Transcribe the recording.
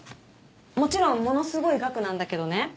もちろんものすごい額なんだけどね